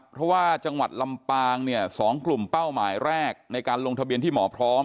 เพราะว่าจังหวัดลำปาง๒กลุ่มเป้าหมายแรกในการลงทะเบียนที่หมอพร้อม